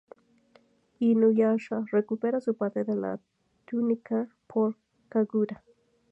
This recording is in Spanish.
InuYasha recupera su parte de la túnica por Kagura.